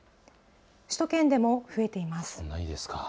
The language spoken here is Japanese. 首都圏でも増えています。